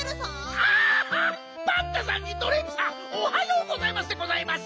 あっパンタさんにドレープさんおはようございますでございます！